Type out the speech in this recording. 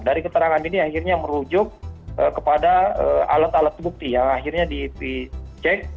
dari keterangan ini akhirnya merujuk kepada alat alat bukti yang akhirnya dicek